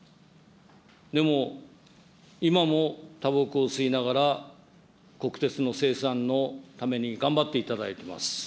でも、今もたばこを吸いながら、国鉄の清算のために頑張っていただいてます。